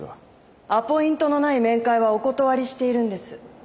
アポイントのない面会はお断りしているんです。